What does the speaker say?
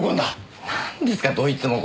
なんですかどいつもこいつも！